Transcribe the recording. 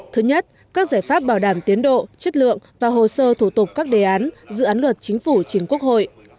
thứ nhất các giải pháp bảo đảm tiến độ chất lượng và hồ sơ thủ tục các đề án dự án luật chính phủ chính quốc hội